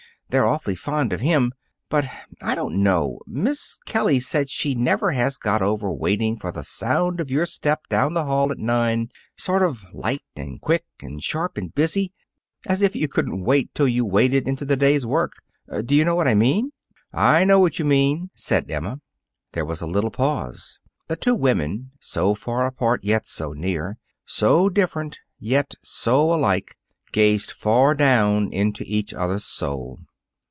They're awful fond of him. But I don't know Miss Kelly said she never has got over waiting for the sound of your step down the hall at nine sort of light and quick and sharp and busy, as if you couldn't wait till you waded into the day's work. Do you know what I mean?" "I know what you mean," said Emma. There was a little pause. The two women so far apart, yet so near; so different, yet so like, gazed far down into each other's soul.